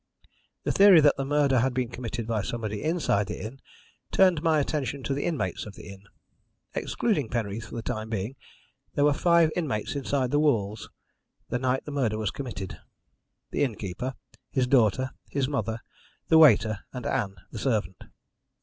The theory that the murder had been committed by somebody inside the inn turned my attention to the inmates of the inn. Excluding Penreath for the time being, there were five inmates inside the walls the night the murder was committed the innkeeper, his daughter, his mother, the waiter, and Ann, the servant.